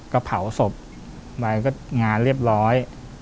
ก็เผาศพไปก็งานเรียบร้อย